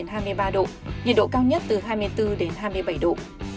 nhiệt độ cao nhất từ hai mươi bốn đến hai mươi bảy độ